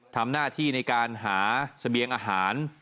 ทำหน้าที่ในการหาเสบียงอาหาร